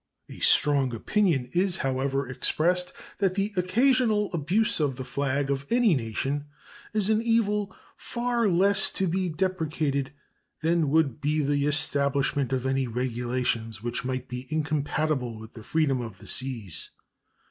A strong opinion is, however, expressed that the occasional abuse of the flag of any nation is an evil far less to be deprecated than would be the establishment of any regulations which might be incompatible with the freedom of the seas.